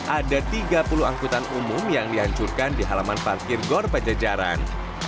ada tiga puluh angkutan umum yang dihancurkan di halaman parkir gor pajajaran